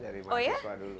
dari mahasiswa dulu